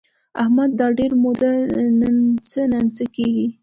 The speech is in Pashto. احمد دا ډېره موده ننڅه ننڅه کېږي.